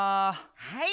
はい。